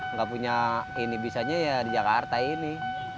nggak punya ini bisanya ya di jakarta ini